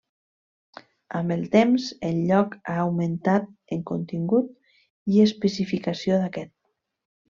Amb el temps, el lloc ha augmentat en contingut i especificació d'aquest.